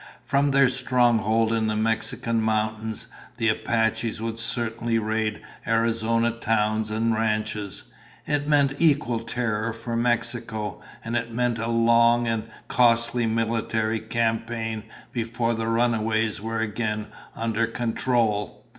From their stronghold in the Mexican mountains, the Apaches would certainly raid Arizona towns and ranches. It meant equal terror for Mexico, and it meant a long and costly military campaign before the runaways were again under control.